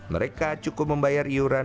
mereka cukup membayar iuran